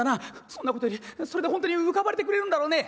「そんなことよりそれで本当に浮かばれてくれるんだろうね」。